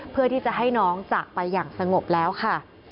เพื่อที่จะให้น้องจากไปอย่างสงบแล้วค่ะ